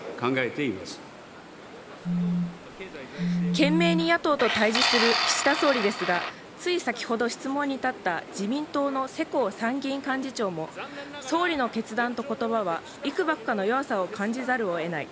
懸命に野党と対峙する岸田総理ですがつい先ほど、質問に立った自民党の世耕参院幹事長も総理の決断と言葉はいくばくかの弱さを感じざるを得ない。